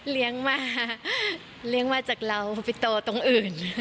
เลี้ยงมาเลี้ยงมาจากเราไปโตตรงอื่น